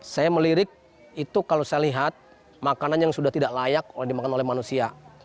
saya melirik itu kalau saya lihat makanan yang sudah tidak layak dimakan oleh manusia